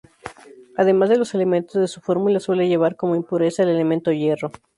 Además de los elementos de su fórmula, suele llevar como impureza el elemento hierro.